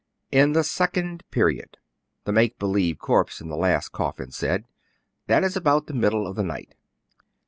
" In the second period, the make believe corpse in the last coffin said ; that is, about the middle of the night.